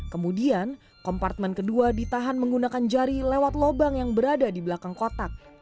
kemudian kompartmen kedua ditahan menggunakan jari lewat lubang yang berada di belakang kotak